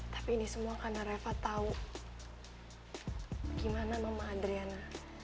tapi ini semua karena reva tahu gimana mama adriana